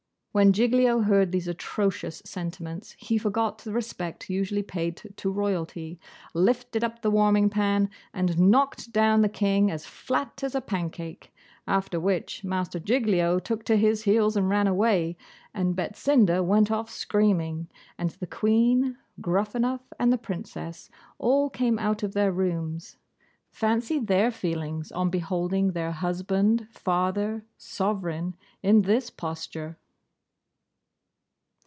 When Giglio heard these atrocious sentiments, he forgot the respect usually paid to Royalty, lifted up the warming pan, and knocked down the King as flat as a pancake; after which, Master Giglio took to his heels and ran away, and Betsinda went off screaming, and the Queen, Gruffanuff, and the Princess, all came out of their rooms. Fancy their feelings on beholding their husband, father, sovereign, in this posture!